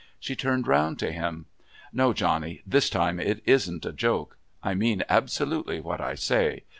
She turned round to him. "No, Johnny, this time it isn't a joke. I mean absolutely what I say.